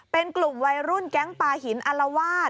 เป็นกลุ่มวัยรุ่นแก๊งปลาหินอลวาด